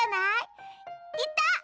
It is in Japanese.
いた！